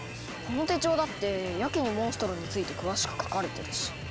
この手帳だってやけにモンストロについて詳しく書かれてるし。